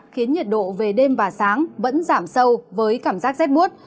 khiến nhiệt độ về đêm và sáng vẫn giảm sâu với cảm giác rét bút